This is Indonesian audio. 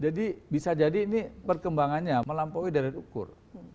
jadi bisa jadi ini perkembangannya melampaui dari ukur